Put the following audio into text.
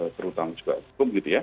terutama juga hukum